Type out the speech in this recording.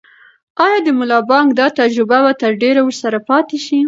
آیا د ملا بانګ دا تجربه به تر ډېره ورسره پاتې شي؟